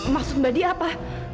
masuk badi apa